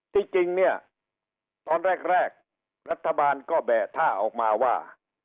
ที่จริงเนี่ยตอนแรกรัฐบาลก็แบะท่าออกมาว่า